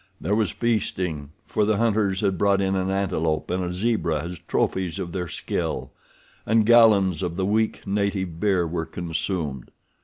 There was feasting, for the hunters had brought in an antelope and a zebra as trophies of their skill, and gallons of the weak native beer were consumed.